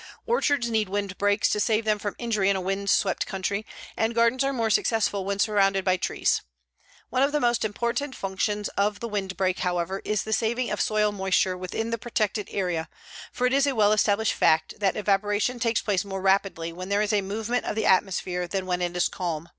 Orchards need windbreaks to save them from injury in a wind swept country, and gardens are more successful when surrounded by trees. One of the most important functions of the windbreak, however, is the saving of soil moisture within the protected area, for it is a well established fact that evaporation takes place more rapidly when there is a movement of the atmosphere than when it is calm.